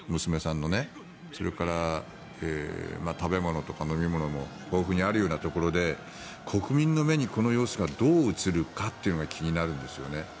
それから食べ物とか飲み物も豊富にあるようなところで国民の目にこの様子がどう映るかというのが気になりますよね。